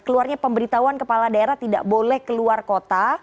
keluarnya pemberitahuan kepala daerah tidak boleh keluar kota